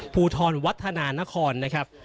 ภูทรวัฒนานครนะครับ